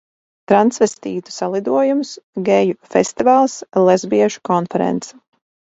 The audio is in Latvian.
Transvestītu salidojums, geju festivāls, lesbiešu konference.